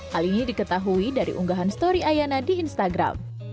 hal ini diketahui dari unggahan story ayana di instagram